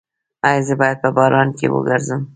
ایا زه باید په باران کې وګرځم؟